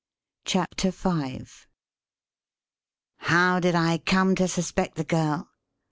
CHAPTER V "How did I come to suspect the girl?"